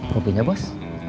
ngapain ya bos